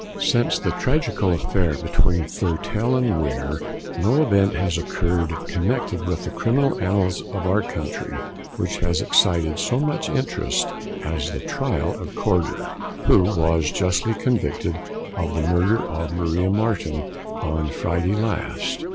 Since the tragical affair between Thurtell and Weare, no event has occurred connected with the criminal annals of our country which has excited so much interest as the trial of Corder, who was justly convicted of the murder of Maria Marten on Friday last.